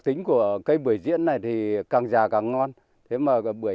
xin chào và hẹn gặp lại